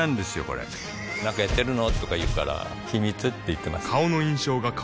これなんかやってるの？とか言うから秘密って言ってます